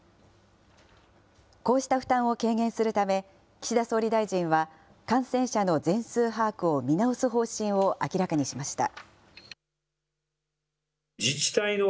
こうした負担を軽減するため、岸田総理大臣は、感染者の全数把握を見直す方針を明らかにしました。